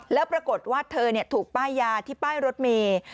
แล้วปรากฏว่าเธอถูกป้ายยาที่ป้ายรถเมย์